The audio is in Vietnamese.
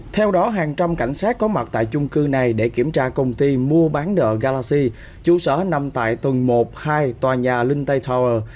theo đó hàng trăm cảnh sát có mặt tại chung cư này để kiểm tra công ty mua bán nợ galaxy trụ sở nằm tại tầng một hai tòa nhà linhtay tower